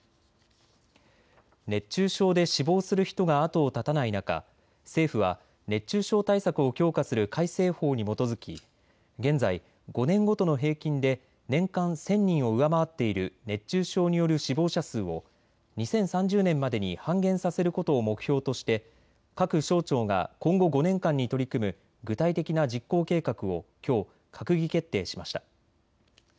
熱中症で死亡する人が後を絶たない中、政府は熱中症対策を強化する改正法に基づき現在、５年ごとの平均で年間１０００人を上回っている熱中症による死亡者数を２０３０年までに半減させることを目標として各省庁が今後５年間に取り組む具体的な実行計画をきょう閣議決定しました。